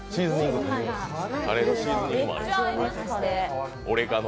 カレーのシーズニングも合います。